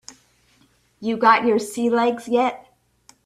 You got your sea legs yet?